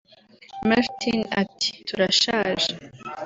Martine ati “turashaje